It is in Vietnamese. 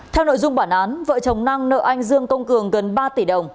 theo nội dung bản án vợ chồng năng nợ anh dương công cường gần ba tỷ đồng